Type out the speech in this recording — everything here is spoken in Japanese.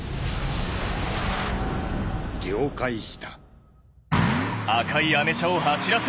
了解した。